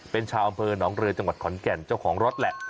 เป็นชาวอำเภอหนองเรือจังหวัดขอนแก่นเจ้าของรถแหละ